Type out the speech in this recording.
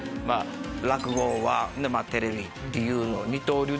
落語テレビっていうのを二刀流で。